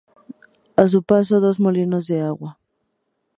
A su paso hay dos molinos de agua.